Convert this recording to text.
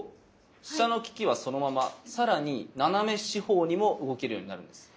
飛車の利きはそのまま更に斜め四方にも動けるようになるんです。